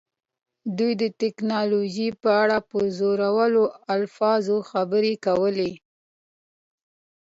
دوی د ټیکنالوژۍ په اړه په زړورو الفاظو خبرې کولې